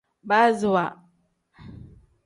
Baasiwa.